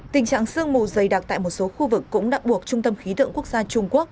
tình trạng sương mù dày đặc tại một số khu vực cũng đã buộc trung tâm khí tượng quốc gia trung quốc